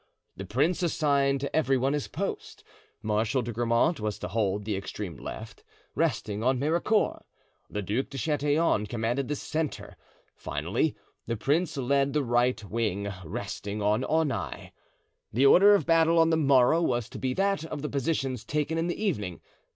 The prince assigned to every one his post. Marshal de Grammont was to hold the extreme left, resting on Mericourt. The Duc de Chatillon commanded the centre. Finally, the prince led the right wing, resting on Aunay. The order of battle on the morrow was to be that of the positions taken in the evening.